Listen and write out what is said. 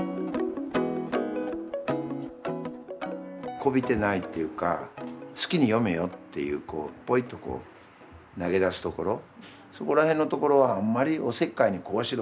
こびてないっていうか好きに読めよっていうこうポイッと投げ出すところそこらへんのところはあんまりおせっかいにこうしろ